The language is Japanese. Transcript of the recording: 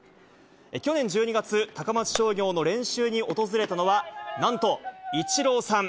去年１２月、高松商業の練習に訪れたのは、なんと、イチローさん。